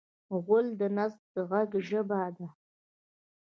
غول د نس د غږ ژبه ده.